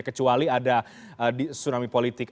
kecuali ada tsunami politik